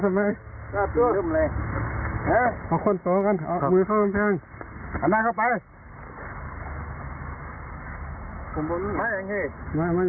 เอาของเขาไปเท่าไหร่๒อัน